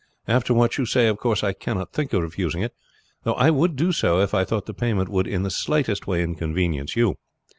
After what you say, of course I cannot think of refusing it, though I would do so if I thought the payment would in the slightest way inconvenience you.